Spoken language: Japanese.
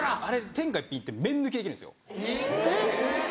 天下一品麺抜きできるんです。